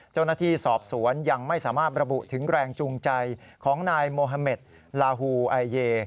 เจ้าหน้าที่สอบสวนยังไม่สามารถระบุถึงแรงจูงใจของนายโมฮาเมดลาฮูไอเย